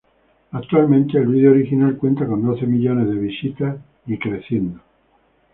Actualmente, el vídeo original cuenta con doce millones de visitas y creciendo.